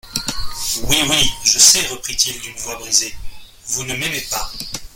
Oui, oui, je sais, reprit-il d'une voix brisée, vous ne m'aimez pas.